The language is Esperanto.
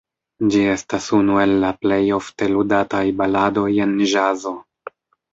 Ĝi estas unu el la plej ofte ludataj baladoj en ĵazo.